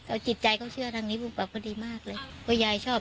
เอาจิตใจเขาเชื่อทางนี้ภูมิปรับก็ดีมากเลยเพราะยายชอบ